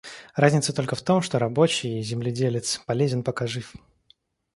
Разница только в том, что рабочий, земледелец полезен, пока жив.